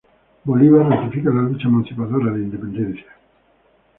Bolívar ratifica la lucha emancipadora de independencia.